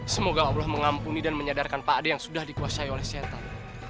semoga allah mengampuni dan menyadarkan pak ade yang sudah dikuasai oleh setan